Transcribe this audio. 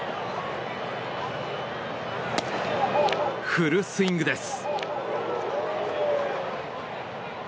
フルスイングです。